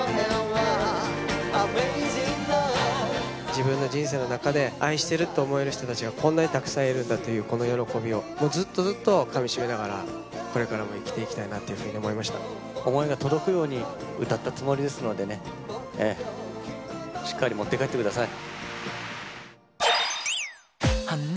自分の人生の中で、愛してると思える人たちがこんなにたくさんいるんだっていうこの喜びを、ずっとずっとかみしめながら、これからも生きていきたいなって思いが届くように歌ったつもりですのでね、しっかり持って帰ってください。